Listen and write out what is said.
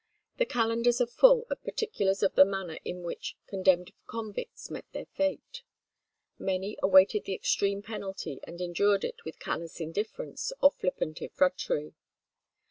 The calendars are full of particulars of the manner in which condemned convicts met their fate. Many awaited the extreme penalty and endured it with callous indifference or flippant effrontery.